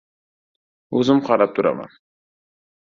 — O‘zim qarab turaman.